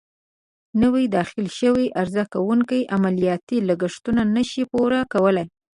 نوي داخل شوي عرضه کوونکې عملیاتي لګښتونه نه شي پوره کولای.